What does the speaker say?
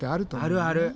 あるある。